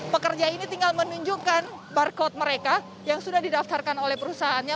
pekerja ini tinggal menunjukkan barcode mereka yang sudah didaftarkan oleh perusahaannya